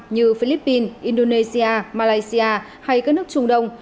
như philippines indonesia malaysia hay các nước trung đông